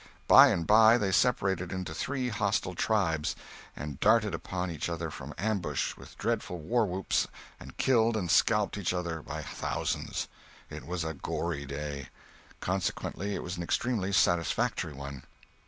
By and by they separated into three hostile tribes, and darted upon each other from ambush with dreadful warwhoops, and killed and scalped each other by thousands. It was a gory day. Consequently it was an extremely satisfactory one.